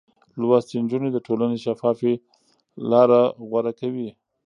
لوستې نجونې د ټولنې شفافې لارې غوره کوي.